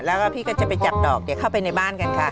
แล้วก็พี่ก็จะไปจับดอกเดี๋ยวเข้าไปในบ้านกันค่ะ